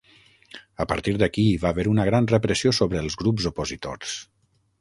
A partir d'aquí hi va haver una gran repressió sobre els grups opositors.